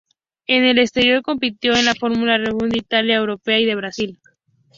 En el exterior, compitió en las Fórmula Renault de Italia, Europea y de Brasil.